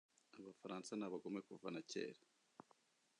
Abafaransa ni abagome kuva na kera